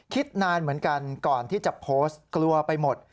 คิดนานเหมือนกันก่อนที่จะโพสต์กลัวไปหมด